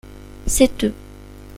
C’est eux.